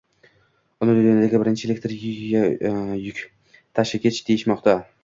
Uni dunyodagi birinchi elektr yuktashigich deyishmoqda.